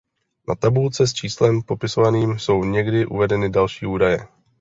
Na tabulce s číslem popisným jsou někdy uvedeny další údaje.